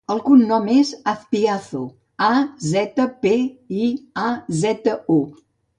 El cognom és Azpiazu: a, zeta, pe, i, a, zeta, u.